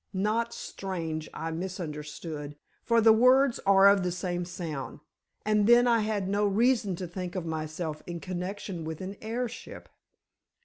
Not strange I misunderstood, for the words are of the same sound—and, then I had no reason to think of myself in connection with an heirship!"